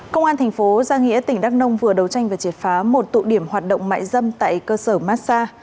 công an thành phố giang hĩa tỉnh đắk nông vừa đấu tranh và triệt phá một tụ điểm hoạt động mại dâm tại cơ sở massa